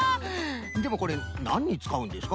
でもこれなんにつかうんですか？